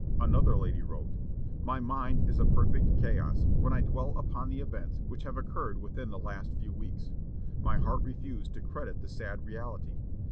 Another lady wrote, "My mind is a perfect chaos when I dwell upon the events which have occurred within the last few weeks. My heart refused to credit the sad reality.